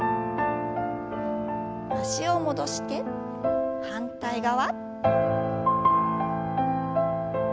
脚を戻して反対側。